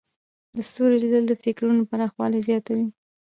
د ستورو لیدل د فکرونو پراخوالی زیاتوي.